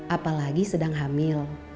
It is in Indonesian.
apalagi sedang hamil